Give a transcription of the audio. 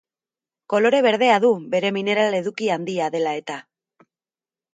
Kolore berdea du bere mineral eduki handia dela eta.